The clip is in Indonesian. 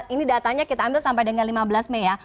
ini datanya kita ambil sampai dengan lima belas mei ya